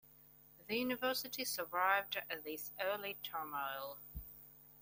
The university survived this early turmoil.